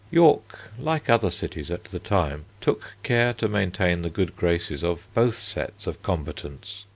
York, like other cities at the time, took care to maintain the good graces of both sets of combatants.